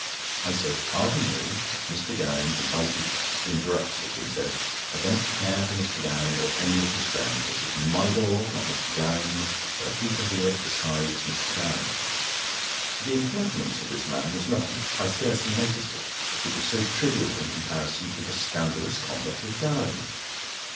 I said: "Pardon me, Mr. Gowing invited—" He interrupted and said: "I don't care for Mr. Gowing, or any of his friends. This is my door, not Mr. Gowing's. There are people here besides Mr. Gowing." The impertinence of this man was nothing. I scarcely noticed it, it was so trivial in comparison with the scandalous conduct of Gowing.